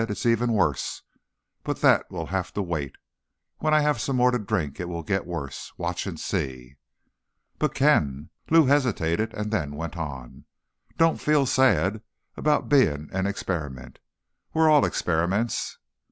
"It's even worse, but that'll have to wait. When I have some more to drink it will get worse. Watch and see." "But Ken—" Lou hesitated, and then went on. "Don't feel sad about being an experiment. We're all experiments."